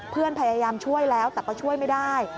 พยายามช่วยแล้วแต่ก็ช่วยไม่ได้